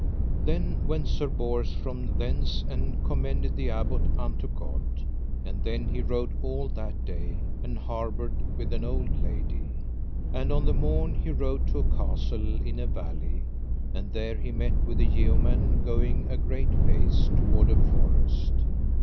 Then went Sir Bors from thence and commended the Abbot unto God. And then he rode all that day, and harboured with an old lady. And on the morn he rode to a castle in a valley, and there he met with a yeoman going a great pace toward a forest.